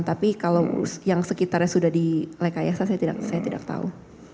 tapi kalau yang sekitarnya sudah direkayasa saya tidak tahu